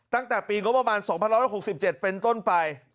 ตั้งแต่ปีงบประมาณ๒๑๖๗เป็นต้นไป